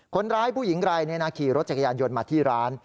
คนร้ายผู้หญิงไรเนี่ยนะขี่รถจักรยานยนต์มาที่ร้าน